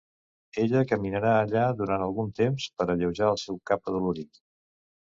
Ella caminarà allà durant algun temps per alleujar el seu cap adolorit.